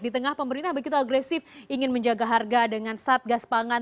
di tengah pemerintah begitu agresif ingin menjaga harga dengan satgas pangan